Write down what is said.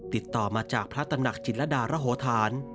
ติดต่อมาจากพระตำหนักจิตรดารโหธาน